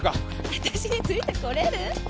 あたしについてこれる？